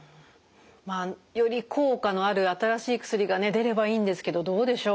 まあより効果のある新しい薬が出ればいいんですけどどうでしょう？